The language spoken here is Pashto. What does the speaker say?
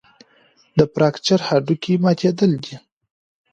د فراکچر هډوکی ماتېدل دي.